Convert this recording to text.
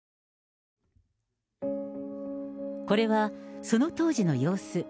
これは、その当時の様子。